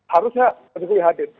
harusnya berdiskusi hadir